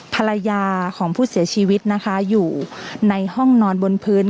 ภรรยาของผู้เสียชีวิตนะคะอยู่ในห้องนอนบนพื้น